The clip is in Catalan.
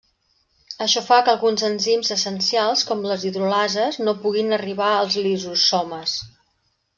Això fa que alguns enzims essencials, com les hidrolases, no puguin arribar als lisosomes.